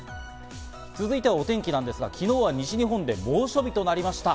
続いてはお天気なんですが、昨日は西日本で猛暑日となりました。